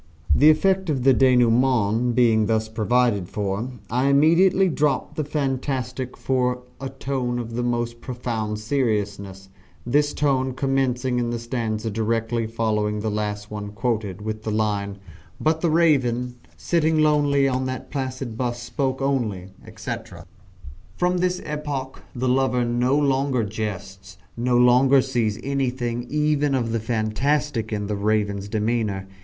The effect of the denouement being thus provided for, I immediately drop the fantastic for a tone of the most profound seriousness this tone commencing in the stanza directly following the one last quoted, with the line, But the Raven, sitting lonely on that placid bust, spoke only, etc. From this epoch the lover no longer jests no longer sees anything even of the fantastic in the Raven's demeanour.